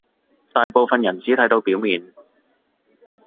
大部分人只睇到表面